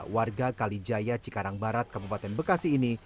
warga kalijaya cikarang barat kabupaten bekasi ini